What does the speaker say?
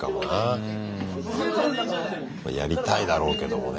やりたいだろうけどもね。